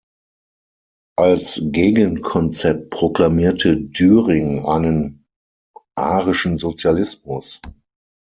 Als Gegenkonzept proklamierte Dühring einen "arischen Sozialismus".